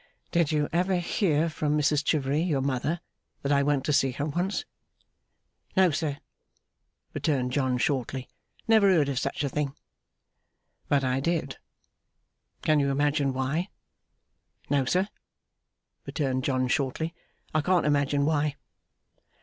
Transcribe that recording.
Did you ever hear from Mrs Chivery, your mother, that I went to see her once?' 'No, sir,' returned John, shortly. 'Never heard of such a thing.' 'But I did. Can you imagine why?' 'No, sir,' returned John, shortly. 'I can't imagine why.